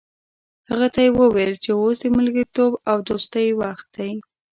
هغه ته یې وویل چې اوس د ملګرتوب او دوستۍ وخت دی.